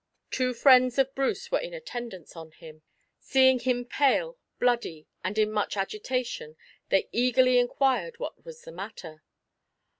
Two friends of Bruce were in attendance on him. Seeing him pale, bloody, and in much agitation they eagerly inquired what was the matter.